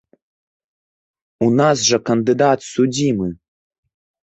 У нас жа кандыдат судзімы!